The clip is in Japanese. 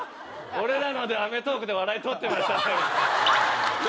「俺らので『アメトーーク』で笑い取ってましたね」。